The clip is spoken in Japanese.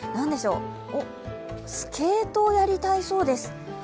おっ、スケートをやりたいそうです